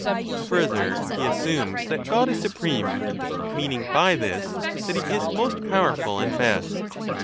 Further, he assumes that God is supreme, meaning by this that he is most powerful and best.